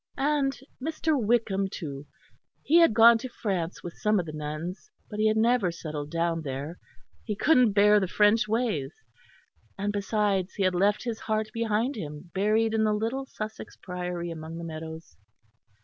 And Mr. Wickham too he had gone to France with some of the nuns; but he had never settled down there he couldn't bear the French ways and besides he had left his heart behind him buried in the little Sussex priory among the meadows.